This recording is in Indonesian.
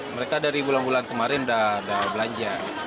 mereka dari bulan bulan kemarin sudah ada belanja